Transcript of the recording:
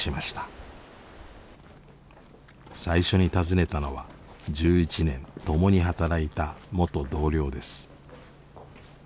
最初に訪ねたのは１１年共に働いた元同僚です。